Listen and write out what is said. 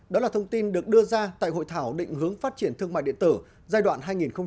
đó là thông tin được đưa ra tại hội thảo định hướng phát triển thương mại điện tử giai đoạn hai nghìn một mươi sáu hai nghìn hai mươi